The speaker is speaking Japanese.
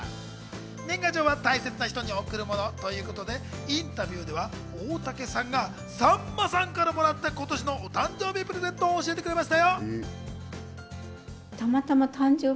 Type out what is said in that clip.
年賀状は大切な人に贈るものということでインタビューでは大竹さんがさんまさんからもらった今年のお誕生日プレゼントを教えてくれました。